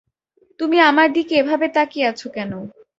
তুমি আমার দিকে এভাবে তাকিয়ে আছ কেন?